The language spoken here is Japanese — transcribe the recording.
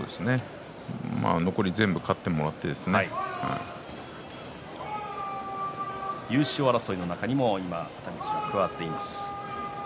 残り全部勝ってもらって優勝争いにも加わっています。